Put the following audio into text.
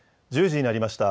１０時になりました。